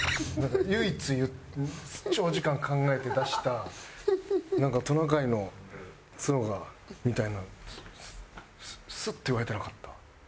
唯一長時間考えて出したなんか「トナカイの角が」みたいなんスッと言われてなかった？